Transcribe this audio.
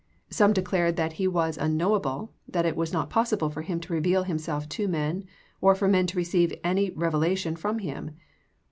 Some declared that He was unknowable, that it was not possible for Him to reveal Himself to men or for men to receive any revelation from Him.